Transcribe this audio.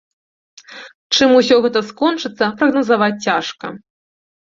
Чым усё гэта скончыцца, прагназаваць цяжка.